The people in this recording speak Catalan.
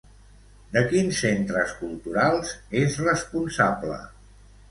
De quins centres culturals és responsable?